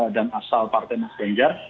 dan asal partai mas ganjar